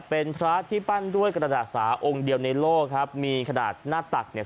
เป็นพระที่ปั้นด้วยกระดาษสาองค์เดียวในโลกครับมีขนาดหน้าตักเนี่ย